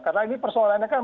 karena ini persoalannya kan